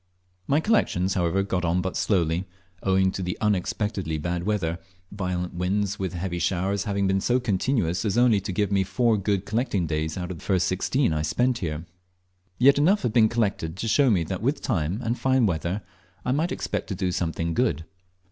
My collections, however, got on but slowly, owing to the unexpectedly bad weather, violent winds with heavy showers having been so continuous as only to give me four good collecting days out of the first sixteen I spent here. Yet enough had been collected to show me that with time and fine weather I might expect to do something good.